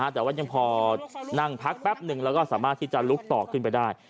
แต่ว่ายังพอนั่งพักแป๊บนึงแล้วก็สามารถที่จะลุกต่อขึ้นไปได้